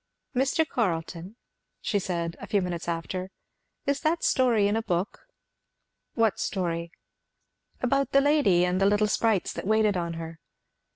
"Mr. Carleton," said she a few minutes after, "is that story in a book?" "What story?" "About the lady and the little sprites that waited on her."